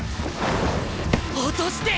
落として。